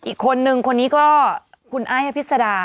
อีกคนนึงคนนี้ก็คุณไอ้อภิษดา